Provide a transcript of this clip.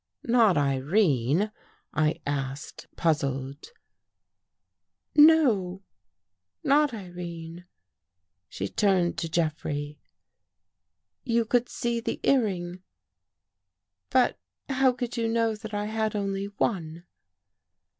" Not Irene? " I asked, puzzled. " No. Not Irene." She turned to Jeffrey. You could see the earring. But how could you know that I had only one?